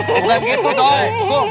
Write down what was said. bukan gitu dong